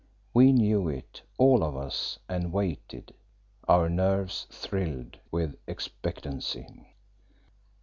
We knew it, all of us, and waited, our nerves thrilled, with expectancy.